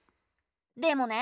でもね